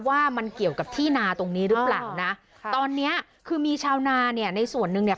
ว่ามันเกี่ยวกับที่นาตรงนี้หรือเปล่านะตอนเนี้ยคือมีชาวนาเนี่ยในส่วนหนึ่งเนี่ย